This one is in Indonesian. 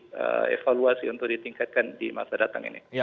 dan bisa dievaluasi untuk ditingkatkan di masa datang ini